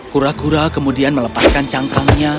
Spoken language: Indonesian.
kura kura kemudian melepaskan cangkangnya